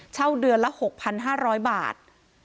เช่าเดือนละ๖๕๐๐บาท